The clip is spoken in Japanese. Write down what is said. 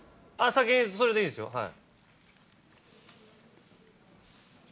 先にそれでいいですよはい。